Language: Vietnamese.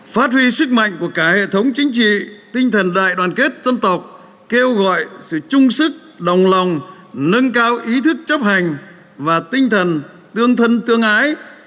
phát huy sức mạnh của cả hệ thống chính trị tinh thần đại đoàn kết dân tộc kêu gọi sự chung sức đồng lòng nâng cao ý thức chấp hành và tinh thần tương thân tương ái